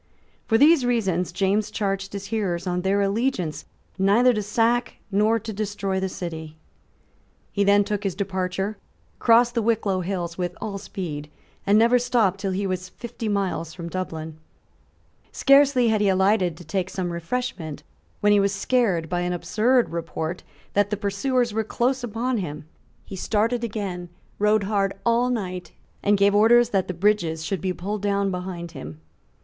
For these reasons James charged his hearers on their allegiance neither to sack nor to destroy the city, He then took his departure, crossed the Wicklow hills with all speed, and never stopped till he was fifty miles from Dublin. Scarcely had he alighted to take some refreshment when he was scared by an absurd report that the pursuers were close upon him. He started again, rode hard all night, and gave orders that the bridges should be pulled down behind him.